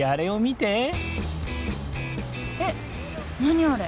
えっ何あれ？